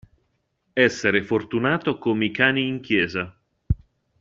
Essere fortunato come i cani in chiesa.